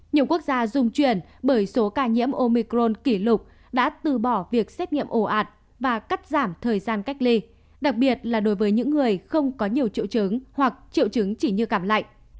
nhiều quốc gia dung chuyển bởi số ca nhiễm omicron kỷ lục đã từ bỏ việc xét nghiệm ổ ạt và cắt giảm thời gian cách ly đặc biệt là đối với những người không có nhiều triệu chứng hoặc triệu chứng chỉ như cảm lạnh